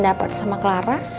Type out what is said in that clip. kayanya mana sekarang